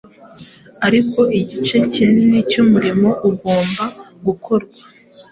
Ariko igice kinini cy’umurimo ugomba gukorwa